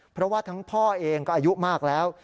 เพราะว่าทั้งพ่อเองก็อายุมากแล้ว